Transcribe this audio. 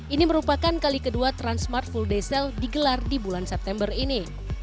ini merupakan kali kedua transmart full day sale digelar di bulan september ini